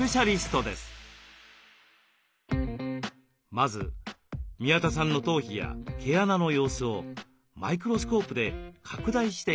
まず宮田さんの頭皮や毛穴の様子をマイクロスコープで拡大して観察します。